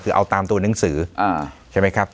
คือเอาตามตัวหนังสือใช่ไหมครับ